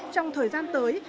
trong thời gian tới